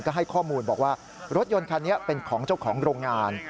ก็ให้ข้อมูลบอกว่ารถยนต์คันนี้เป็นของเจ้าของโรงงาน